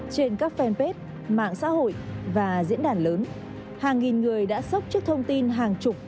trên các fanpage mạng xã hội và diễn đàn lớn hàng nghìn người đã sốc trước thông tin hàng chục